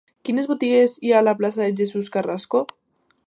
Quines botigues hi ha a la plaça de Jesús Carrasco?